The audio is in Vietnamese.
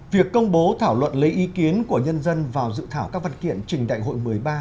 việc công bố thảo luận lấy ý kiến của nhân dân vào dự thảo các văn kiện trình đại hội một mươi ba